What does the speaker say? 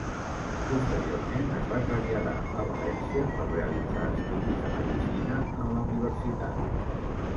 Posteriorment es va traslladar a València per realitzar estudis de medicina en la Universitat.